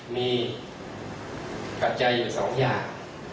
มีประทับใจอยู่๒อย่าง